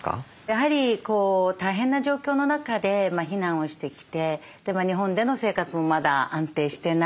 やはり大変な状況の中で避難をしてきて日本での生活もまだ安定してない中ですね